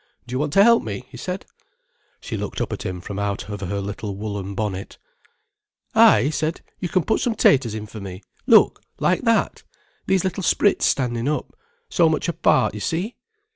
"Do you want to help me?" he said. She looked up at him from out of her little woollen bonnet. "Ay," he said, "you can put some taters in for me. Look—like that—these little sprits standing up—so much apart, you see."